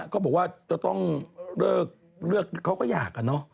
ก็บอกว่าจะต้องเลือกเขาก็อยาก